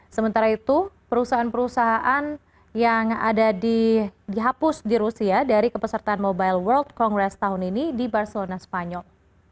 sementara itu perusahaan perusahaan yang ada dihapus di rusia dari kepesertaan mobile world congress tahun ini di barcelona spanyol